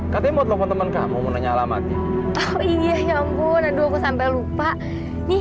katimu telepon teman kamu menanyakan alamatnya oh iya ya ampun aduh aku sampai lupa nih